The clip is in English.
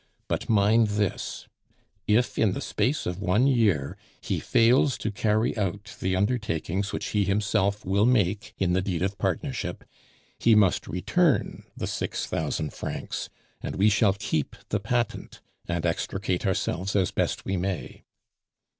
But mind this if in the space of one year he fails to carry out the undertakings which he himself will make in the deed of partnership, he must return the six thousand francs, and we shall keep the patent and extricate ourselves as best we may."